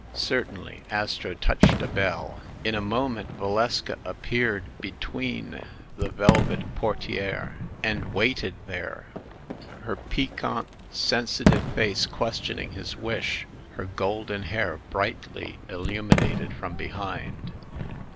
"Certainly." Astro touched a bell. In a moment Valeska appeared between the velvet portieres, and waited there, her piquant sensitive face questioning his wish, her golden hair brightly illumi nated from behind.